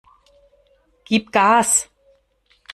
Gib Gas!